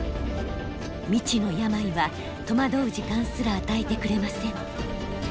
未知の病は戸惑う時間すら与えてくれません。